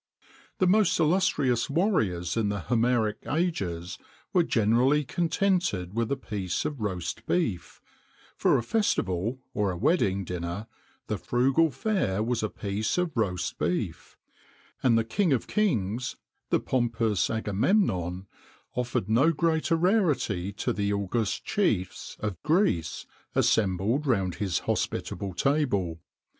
[XXIX 1] The most illustrious warriors in the Homeric ages were generally contented with a piece of roast beef; for a festival, or a wedding dinner, the frugal fare was a piece of roast beef; and the king of kings, the pompous Agamemnon, offered no greater rarity to the august chiefs of Greece, assembled round his hospitable table.